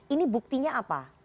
ini buktinya apa